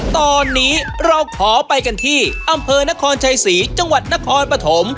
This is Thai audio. ตอนนี้เราขอไปกันที่อำเภอนครชัยศรีจังหวัดนครปฐม